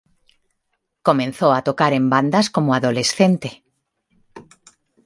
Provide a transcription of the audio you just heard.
Comenzó a tocar en bandas como adolescente.